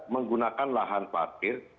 menggunakan lahan patir